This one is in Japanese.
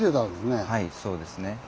はいそうですね。